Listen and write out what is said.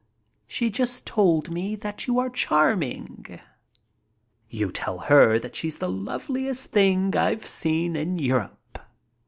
She just told me that you are charming." "You tell her that she's the loveliest thing I've seen in Europe."